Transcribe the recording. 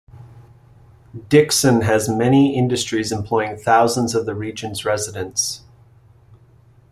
Dixon has many industries employing thousands of the region's residents.